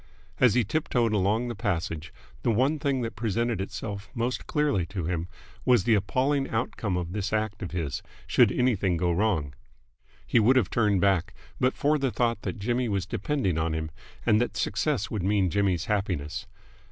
As he tip toed along the passage, the one thing that presented itself most clearly to him was the appalling outcome of this act of his, should anything go wrong. He would have turned back, but for the thought that Jimmy was depending on him and that success would mean Jimmy's happiness.